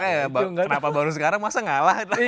ya makanya kenapa baru sekarang masa ngalahin lagi